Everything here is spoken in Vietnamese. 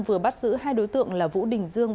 vừa bắt giữ hai đối tượng là vũ đình dương